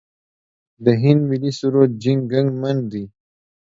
د هند ملي سرود جن ګن من دی.